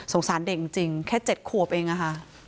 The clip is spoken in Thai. สารเด็กจริงแค่๗ขวบเองอะค่ะ